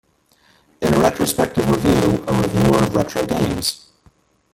In a retrospective review, a reviewer of Retro Games!